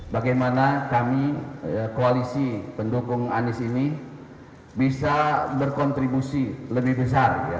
bagaimana kami koalisi pendukung anies ini bisa berkontribusi lebih besar